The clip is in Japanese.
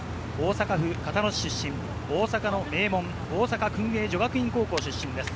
大阪府交野市出身、大阪の名門・大阪薫英女学院高校出身です。